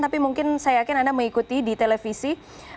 tapi mungkin saya yakin anda mengikuti di televisi